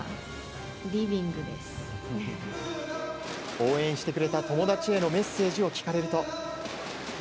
応援してくれた友達へのメッセージを聞かれると。